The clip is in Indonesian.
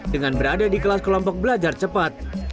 dengan berada di kelas kelompok belajar cepat